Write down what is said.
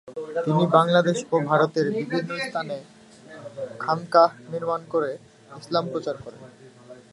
তিনি বাংলাদেশ ও ভারতের বিভিন্ন স্থানে খানকাহ নির্মাণ করে ইসলাম প্রচার করেন।